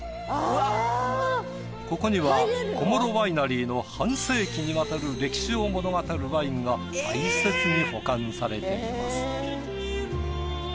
ここには小諸ワイナリーの半世紀にわたる歴史を物語るワインが大切に保管されています。